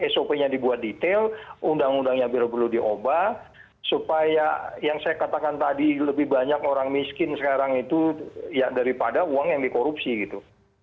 sop nya dibuat detail undang undangnya biro perlu diubah supaya yang saya katakan tadi lebih banyak orang miskin sekarang itu ya daripada uang yang dikorupsi gitu